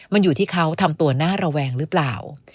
มันอยู่ที่เขาทำตัวน่าระแวงหรือเปล่า